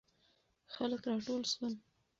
خلک راټول سول.